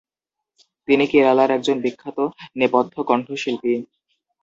তিনি কেরালার একজন বিখ্যাত নেপথ্য কন্ঠশিল্পী।